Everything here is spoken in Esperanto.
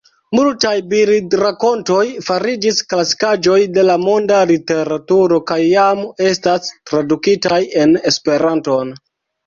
Multaj bildrakontoj fariĝis klasikaĵoj de la monda literaturo kaj jam estas tradukitaj en Esperanton.